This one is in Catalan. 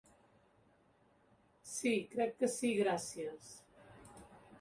Si, crec que si gràcies.